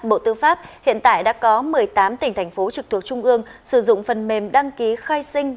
bộ tư pháp hiện tại đã có một mươi tám tỉnh thành phố trực thuộc trung ương sử dụng phần mềm đăng ký khai sinh